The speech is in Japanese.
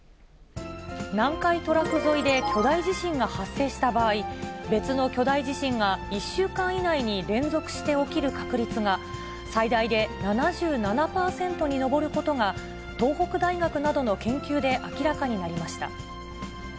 南海トラフ沿いで巨大地震が発生した場合、別の巨大地震が１週間以内に連続して起きる確率が、最大で７７％に上ることが、東北大学などの研究で明らかになりました。